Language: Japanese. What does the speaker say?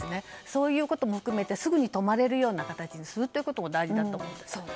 そういうことも含めてすぐに止まれるような形にすることが大事だと思います。